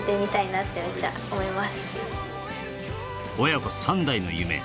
親子３代の夢